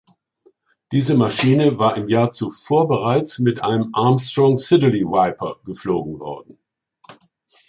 Diese Maschine war im Jahr zuvor bereits mit einem Armstrong Siddeley Viper geflogen worden.